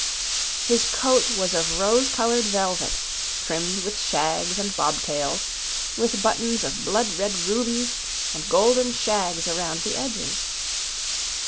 His coat was of rose colored velvet, trimmed with shags and bobtails, with buttons of blood red rubies and golden shags around the edges.